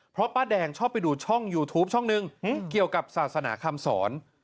เพราะป้าแดงชอบไปดูช่องยูทูปช่องหนึ่งเกี่ยวกับศาสนาคำสอน